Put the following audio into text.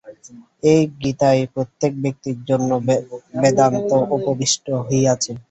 এই গীতায় প্রত্যেক ব্যক্তির জন্য বেদান্ত উপবিষ্ট হইয়াছে।